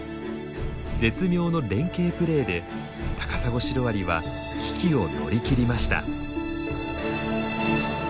絶妙の連携プレーでタカサゴシロアリは危機を乗り切りました。